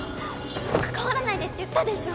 関わらないでって言ったでしょ！